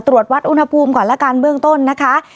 ตรวจวัดอุณหภูมิก่อนละกันเบื้องต้นนะคะ